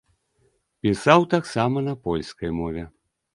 Пісаў таксама на польскай мове.